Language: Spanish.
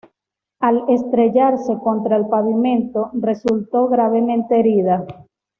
Al estrellarse contra el pavimento, resultó gravemente herida.